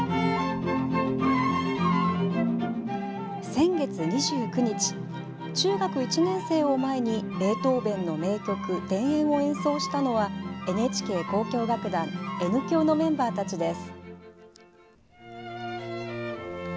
先月２９日中学１年生を前にベートーベンの名曲「田園」を演奏したのはＮＨＫ交響楽団「Ｎ響」のメンバーたちです。